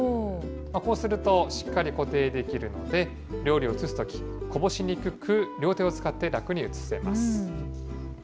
こうすると、しっかり固定できるので、料理を移すとき、こぼしにくく、両手を使って楽に移せます。